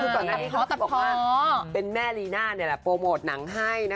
อย่าคาดหวังเอาเป็นว่าเท่าไหร่เท่านั้น